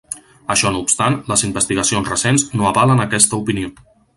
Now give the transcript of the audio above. Això no obstant, les investigacions recents no avalen aquesta opinió.